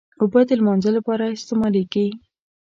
اوبه د لمانځه لپاره استعمالېږي.